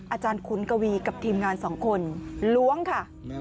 อาจารย์คุณกวีศรีสยามกับทีมงานสองคนล้วงค่ะ